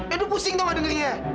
edo pusing dong dengerinnya